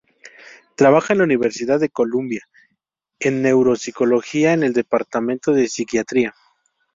Trabaja en la Universidad de Columbia en Neuropsicología en el Departamento de Psiquiatría.